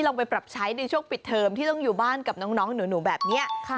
ลองไปปรับใช้ในช่วงปิดเทอมที่ต้องอยู่บ้านกับน้องหนูแบบนี้